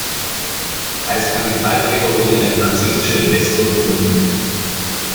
Als Kapitalgeber wurde ein französischer Investor gefunden.